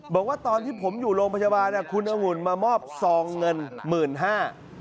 บอกว่าตอนที่ผมอยู่โรงพจาวาคุณองุลมามอบซองเงิน๑๕๐๐๐บาท